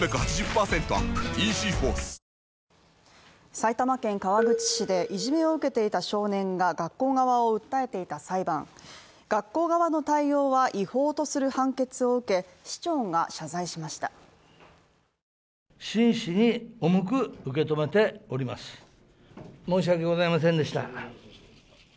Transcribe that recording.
埼玉県川口市でいじめを受けていた少年が学校側を訴えていた裁判学校側の対応は違法とする判決を受け、市長が謝罪しました。